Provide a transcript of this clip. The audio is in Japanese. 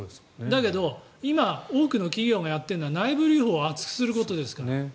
だけど今多くの企業がやっているのは内部留保を厚くすることですから。